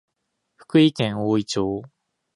福井県おおい町